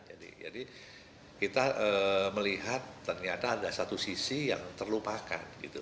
jadi kita melihat ternyata ada satu sisi yang terlupakan